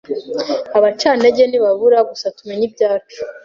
abacantege ntibabaura gusa tumenye ibyacu